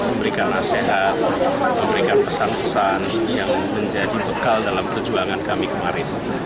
memberikan nasihat memberikan pesan pesan yang menjadi bekal dalam perjuangan kami kemarin